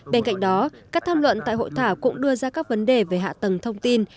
bên cạnh đó các tham luận tại hội thảo cũng đưa ra các vấn đề về hạ tầng thông tin